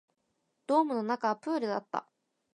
ドームの中はプールだった